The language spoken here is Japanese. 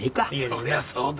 そりゃそうだ。